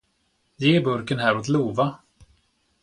Ge burken här åt Lova!